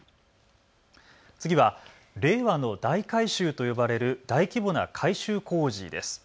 次は令和の大改修と呼ばれる大規模な改修工事です。